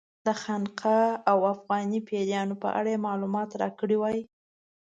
د خانقا او افغاني پیرانو په اړه یې معلومات راکړي وای.